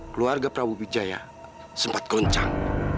keluarga prabu wijaya sempat goncang